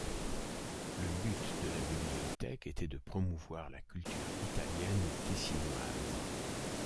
Le but de la bibliothèque était de promouvoir la culture italienne tessinoise.